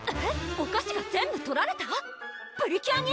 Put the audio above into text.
お菓子が全部とられた⁉プリキュアに？